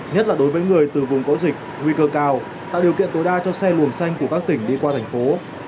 nhất là đối với người từ vùng có dịch nguy cơ cao tạo điều kiện tối đa cho xe luồng xanh của các tỉnh đi qua thành phố